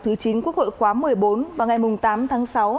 thứ chín quốc hội khóa một mươi bốn vào ngày tám tháng sáu